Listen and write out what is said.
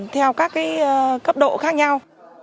theo các cấp độ khác nhau